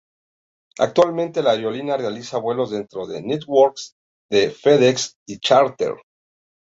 Actualmente la aerolínea realiza vuelos dentro del network de FedEx y charter.